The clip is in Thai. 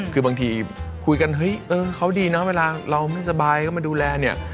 คือบางทีคุยกันเฮ้ยเออเขาดีนะเวลาเราไม่สบายก็มาดูแลเนี่ย